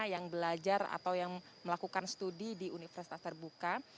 yang belajar atau yang melakukan studi di universitas terbuka